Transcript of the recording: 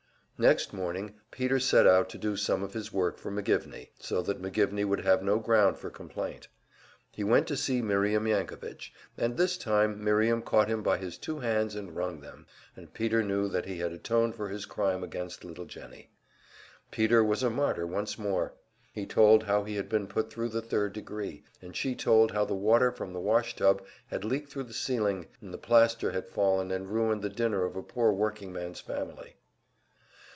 Next morning Peter set out to do some of his work for McGivney, so that McGivney would have no ground for complaint. He went to see Miriam Yankovich, and this time Miriam caught him by his two hands and wrung them, and Peter knew that he had atoned for his crime against little Jennie. Peter was a martyr once more. He told how he had been put thru the third degree; and she told how the water from the washtub had leaked thru the ceiling, and the plaster had fallen, and ruined the dinner of a poor workingman's family.